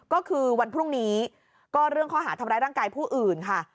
ก็คือวันพรุ่งนี้ก็เรื่องข้อหาทำร้ายร่างกายผู้อื่นค่ะ